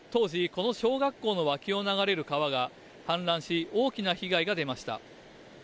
当時、この小学校の脇を流れる川が氾濫し大きな被害が出ました。